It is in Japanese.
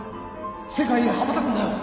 世界へ羽ばたくんだよ！